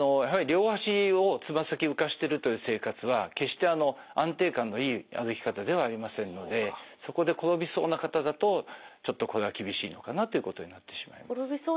やはり両足をつま先浮かしてるという生活は決して安定感のいい歩き方ではありませんのでそこで転びそうな方だとちょっとこれは厳しいのかなということになってしまいます。